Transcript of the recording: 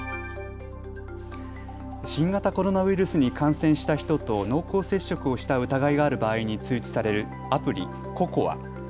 新型コロナウイルスに感染した人と濃厚接触をした疑いがある場合に通知されるアプリＣＯＣＯＡ。